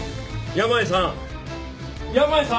山家さん！